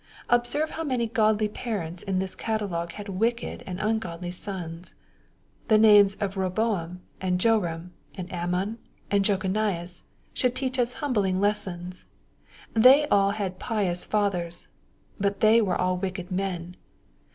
Observe how many godly parents in this catalogue had wicked and ungodly sons. The names of Boboam, and Joram, and Amon, and Jecho nias, should teach us humbling lessons. They had all pious fathers. But they were all wicked men.